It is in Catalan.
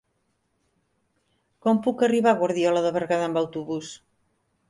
Com puc arribar a Guardiola de Berguedà amb autobús?